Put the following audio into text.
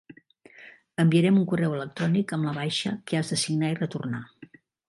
Enviarem un correu electrònic amb la baixa, que has de signar i retornar.